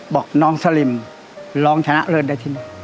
บอกน้องสลิมลองชนะเลิศได้ที่หนึ่ง